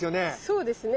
そうですね。